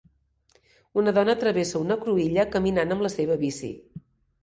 Una dona travessa una cruïlla caminant amb la seva bici.